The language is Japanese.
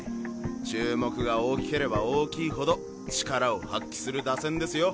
注目が大きければ大きいほど力を発揮する打線ですよ。